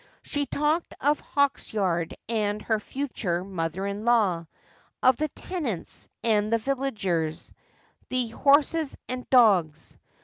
She talked of Hawksyard and her future mother in law, of the tenants, and the villagers, the horses and dogs.